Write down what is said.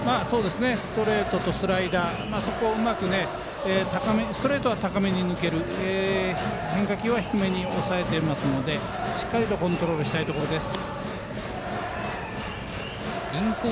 ストレートとスライダーでストレートは高めに抜ける変化球は低めに抑えているのでしっかりとコントロールしたいところです。